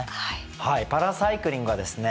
はいパラサイクリングはですね